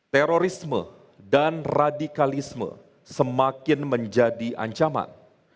terorisme dan radikalisme semakin menjadi ancaman